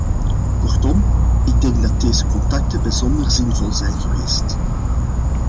Kortom, ik denk dat deze contacten bijzonder zinvol zijn geweest.